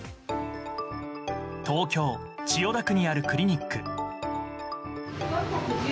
東京・千代田区にあるクリニック。